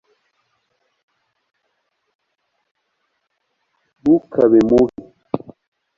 ntukabe mubi